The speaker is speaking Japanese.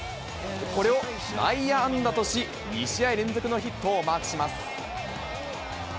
これを内野安打とし、２試合連続のヒットをマークします。